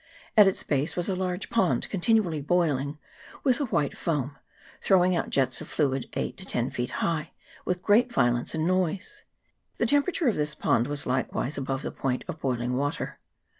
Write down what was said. At its base was a large pond, continually boiling, with a white foam ; throwing out jets of fluid eight to ten feet high, with great violence and noise. The tempera ture of this pond was likewise above the point of boiling water.